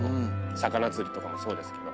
魚釣りとかもそうですけど。